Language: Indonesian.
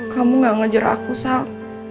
kamu gak ngejar aku sal